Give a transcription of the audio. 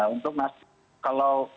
untuk nasdaq kalau